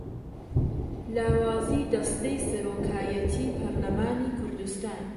لاوازیی دەستەی سەرۆکایەتیی پەرلەمانی کوردستان